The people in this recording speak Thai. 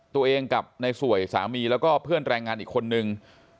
ตัวเองกับในสวยสามีแล้วก็เพื่อนแรงงานอีกคนนึง